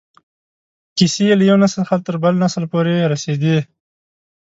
کیسې له یو نسل څخه تر بل نسله پورې رسېدې.